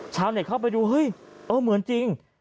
ชาวหน่อยเข้าไปดูเห้ยเหมือนจริง